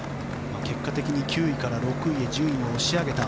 結果的に９位から６位に順位を押し上げた。